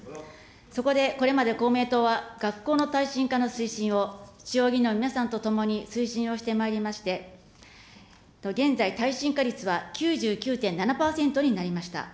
そこで、これまで公明党は、学校の耐震化の推進を、地方議員の皆さんと共に推進をしてまいりまして、現在、耐震化率は９９．７％になりました。